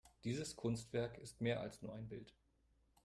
Dieses Kunstwerk ist mehr als nur ein Bild.